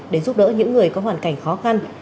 để giúp đỡ những người có hoàn cảnh khó khăn